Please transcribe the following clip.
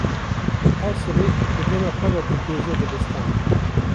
Her sibeh di dema xwe de digihêje dibistanê.